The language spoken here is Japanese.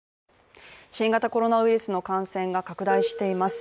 新型コロナウイルスの感染が拡大しています。